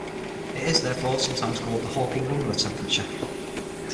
It is, therefore, sometimes called the Hawking-Unruh temperature.